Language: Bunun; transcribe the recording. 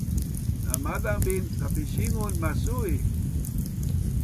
na maazang bin kapisingun masuu i